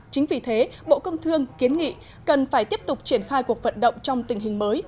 chính vì thế bộ công thương kiến nghị cần phải tiếp tục triển khai cuộc vận động trong tình hình mới